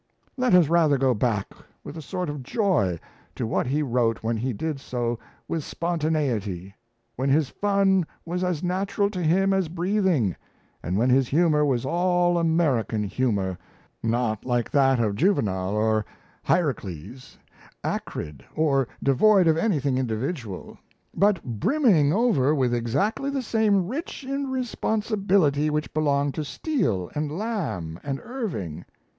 Let us rather go back with a sort of joy to what he wrote when he did so with spontaneity, when his fun was as natural to him as breathing, and when his humour was all American humour not like that of Juvenal or Hierocles acrid, or devoid of anything individual but brimming over with exactly the same rich irresponsibility which belonged to Steele and Lamb and Irving.